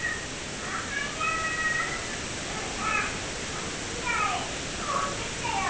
うーたんおきがえもってきたよ！